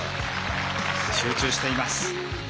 集中しています。